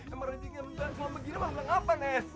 emang rejiknya begitu aja begini mah bilang apa nes